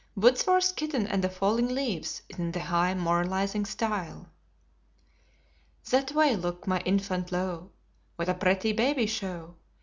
Wordsworth's "Kitten and the Falling Leaves," is in the high, moralizing style. "That way look, my Infant, lo! What a pretty baby show.